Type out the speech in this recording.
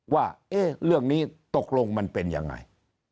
ว่าเรื่องนี้ตกลงมันเป็นยังไง